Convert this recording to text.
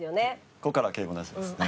ここからは敬語なしですね。